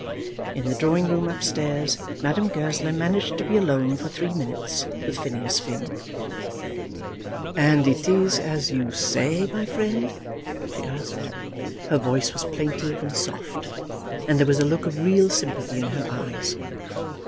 In the drawing room up stairs Madame Goesler managed to be alone for three minutes with Phineas Finn. "And it is as you say, my friend?" she asked. Her voice was plaintive and soft, and there was a look of real sympathy in her eyes.